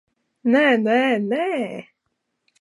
Nē, nē, nē!